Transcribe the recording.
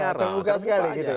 terbuka terbuka sekali gitu ya